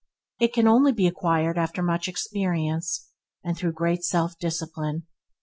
It can only be acquired after much experience and through great self discipline.